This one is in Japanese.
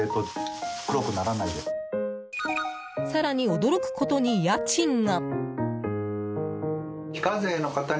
更に驚くことに家賃が。